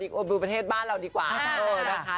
ดูประเทศบ้านเราดีกว่า